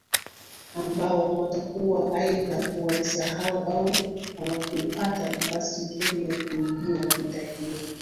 ambao watakuwa aidha wamesahau au hawakupata nafasi nzuri ya kuijua vita hiyo